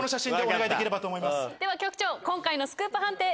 では局長今回のスクープ判定